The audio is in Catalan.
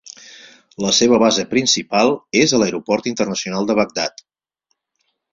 La seva base principal és l'aeroport internacional de Bagdad.